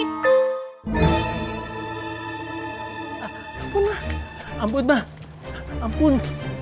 ampun mah ampun mah ampun